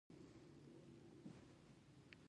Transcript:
دا سفر اوږد خو خوندور و.